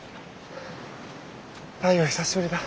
太陽久しぶりだ。